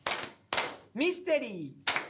ミステリー。